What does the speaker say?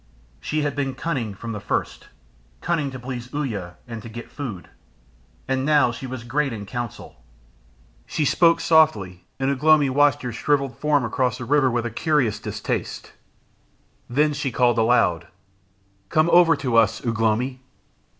She had been cunning from the first, cunning to please Uya and to get food. And now she was great in counsel. She spoke softly, and Ugh lomi watched her shrivelled form across the river with a curious distaste. Then she called aloud, "Come over to us, Ugh lomi."